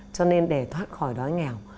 cho nên để thoát khỏi đói nghèo